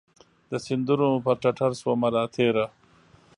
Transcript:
د سیندونو پر ټټرشومه راتیره